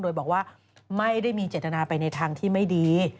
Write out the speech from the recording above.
โดยบอกว่าไม่ได้มีเจตนาไปในทางที่ไม่ดี